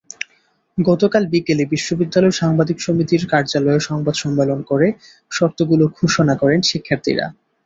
গতকাল বিকেলে বিশ্ববিদ্যালয় সাংবাদিক সমিতির কার্যালয়ে সংবাদ সম্মেলন করে শর্তগুলো ঘোষণা করেন শিক্ষার্থীরা।